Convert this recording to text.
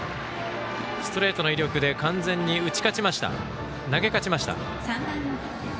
ストレートの威力で完全に投げ勝ちました。